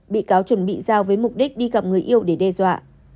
bị cáo chuẩn bị giao với mục đích đi gặp người yêu để đe dọa